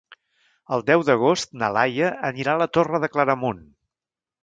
El deu d'agost na Laia anirà a la Torre de Claramunt.